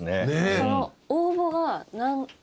その応募があっ。